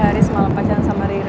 tapi haris malah pacaran sama riri